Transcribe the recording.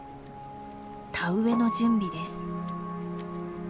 田植えの準備です。